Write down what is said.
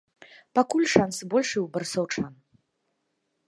Пакуль шансы большыя ў барысаўчан.